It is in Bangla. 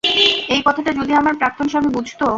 এই কথাটা যদি আমার প্রাক্তন স্বামী বুঝত।